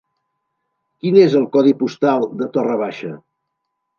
Quin és el codi postal de Torre Baixa?